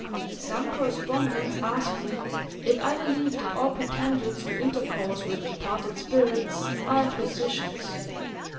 Some correspondents ask me if I believe that all pretensions to intercourse with departed spirits are impositions.